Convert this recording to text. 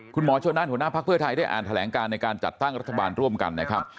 คุณหมอชนนั่นหัวหน้าภักดิ์เพื่อไทยได้อ่านแถลงการในการจัดตั้งรัฐบาลร่วมกันนะครับ